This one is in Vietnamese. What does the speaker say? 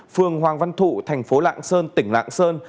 phường hoàng văn thụ thành phố lạng sơn tỉnh lạng sơn